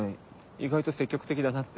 意外と積極的だなって。